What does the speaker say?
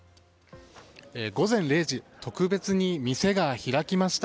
午前０時特別に店が開きました。